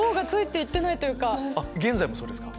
現在もそうですか？